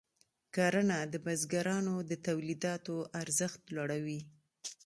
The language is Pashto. کرنه د بزګرانو د تولیداتو ارزښت لوړوي.